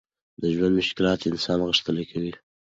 د ژوند مشکلات انسان غښتلی کوي.